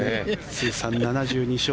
通算７２勝。